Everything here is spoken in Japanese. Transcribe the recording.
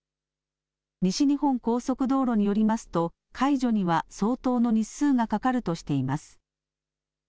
西日本高速道路によりますと解除には相当の日数がかかるとしています。